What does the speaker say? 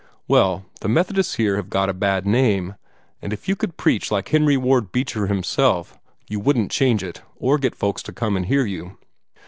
Well, the Methodists here have got a bad name; and if you could preach like Henry Ward Beecher himself you wouldn't change it, or get folks to come and hear you."